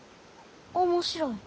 面白い？